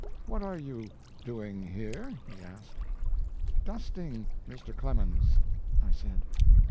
"What are you doing here?" he asked. "Dusting, Mr. Clemens," I said.